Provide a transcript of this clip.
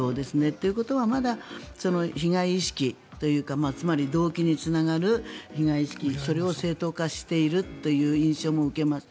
ということはまだ被害意識というかつまり、動機につながる被害意識それを正当化しているという印象も受けます。